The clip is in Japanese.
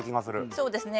そうですね。